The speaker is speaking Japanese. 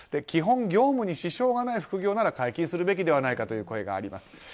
基本、業務に支障がない副業なら解禁すべきという声があります。